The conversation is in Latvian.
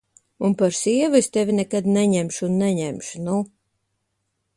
Un par sievu es tevi nekad neņemšu un neņemšu, nu!